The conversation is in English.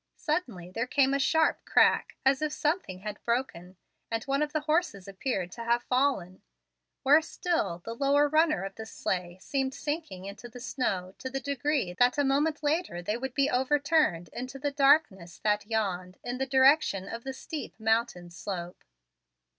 Suddenly there came a sharp crack, as if something had broken, and one of the horses appeared to have fallen. Worse still, the lower runner of the sleigh seemed sinking in the snow to that degree that a moment later they would be overturned into the darkness that yawned in the direction of the steep mountain slope.